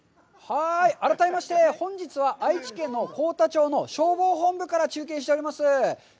ハーイ、改めまして、本日は愛知県の幸田町の消防本部から中継しております。